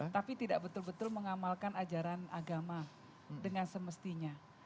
tapi tidak betul betul mengamalkan ajaran agama dengan semestinya